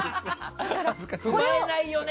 踏まえないよね